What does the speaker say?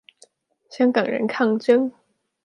香港人抗爭